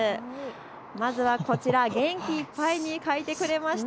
まずはこちら、元気いっぱいに描いてくださいました。